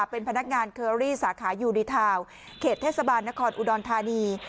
เป็นพนักงานเคอรี่สาขายูดีทาวน์เขตเทศบาลนครอุดรธานี